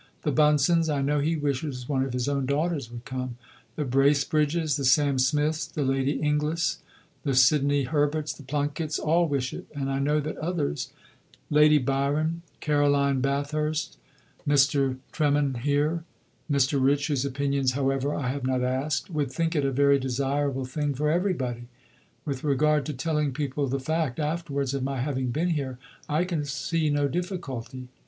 The Bunsens (I know he wishes one of his own daughters would come), the Bracebridges, the Sam Smiths, Lady Inglis, the Sidney Herberts, the Plunketts, all wish it; and I know that others Lady Byron, Caroline Bathurst, Mr. Tremenheere, Mr. Rich (whose opinions however I have not asked) would think it a very desirable thing for everybody.... With regard to telling people the fact (afterwards) of my having been here, I can see no difficulty.